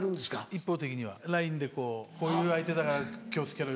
一方的にはＬＩＮＥで「こういう相手だから気を付けろ」。